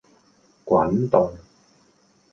滾動